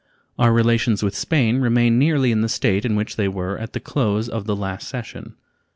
Our relations with Spain remain nearly in the state in which they were at the close of the last session.